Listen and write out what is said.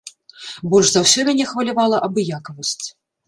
Больш за ўсё мяне хвалявала абыякавасць.